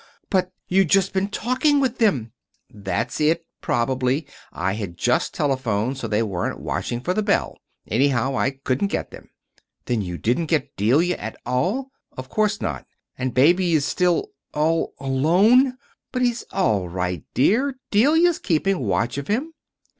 But you'd just been talking with them!" "That's exactly it, probably. I had just telephoned, so they weren't watching for the bell. Anyhow, I couldn't get them." "Then you didn't get Delia at all!" "Of course not." "And Baby is still all alone!" "But he's all right, dear. Delia's keeping watch of him."